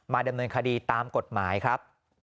ดำเนินคดีตามกฎหมายครับ